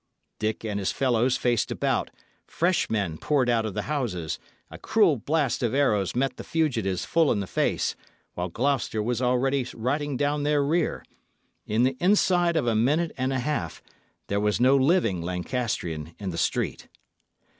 Dick and his fellows faced about, fresh men poured out of the houses; a cruel blast of arrows met the fugitives full in the face, while Gloucester was already riding down their rear; in the inside of a minute and a half there was no living Lancastrian in the street.